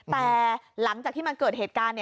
แต่หลังจากที่มันเกิดเหตุการณ์